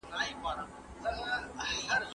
په کلیو کي هم نجوني ښوونځیو ته تلې.